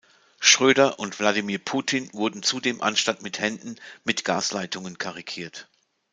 Schröder und Wladimir Putin wurden zudem anstatt mit Händen mit Gasleitungen karikiert.